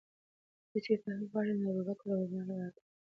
که چیرې ته حق غواړې، نو د ابوبکر او عمر لاره تعقیب کړه.